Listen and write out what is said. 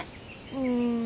うん。